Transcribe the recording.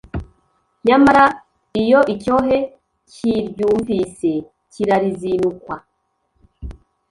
nyamara iyo icyohe kiryumvise, kirarizinukwa